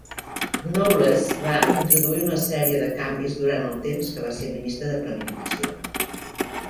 Knowles va introduir una sèrie de canvis durant el temps que va ser ministre de planificació.